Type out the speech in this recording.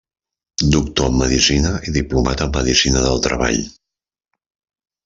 Doctor en Medicina i Diplomat en Medicina del Treball.